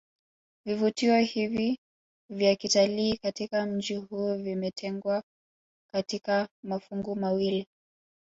Vivutio hivi vya kitalii katika mji huu vimetengwa katika mafungu mawili